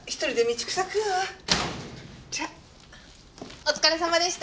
お疲れさまでした！